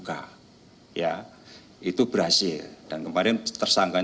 karena biasanya tidak akan terdidak